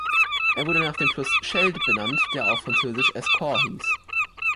Er wurde nach dem Fluss Scheldt benannt, der auf Französisch Escaut heißt.